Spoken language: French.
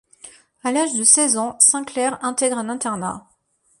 À l'âge de seize ans, Sinclair intègre un internat.